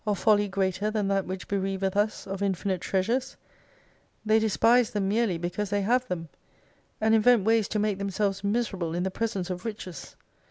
Or folly greater than that which bereaveth us of infinite treasures ? They despise them merely because they have them : And invent ways to make themselves miserable in the presence of riches.